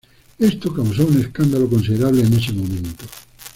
Esto causó un escándalo considerable en ese momento.